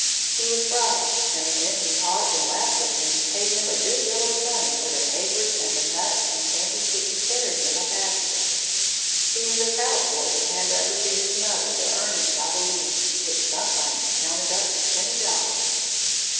He was bright, and the men who talked and laughed with him paid him a good deal of money for the papers and the nuts and candies which he carried in a basket. He was a proud boy to hand over to his mother the earnings of a week, which sometimes counted up to twenty dollars.